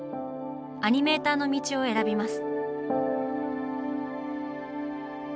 アニメーターの道を選びます。